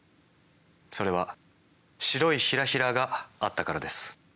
それは白いひらひらがあったからです。